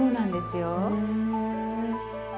へえ。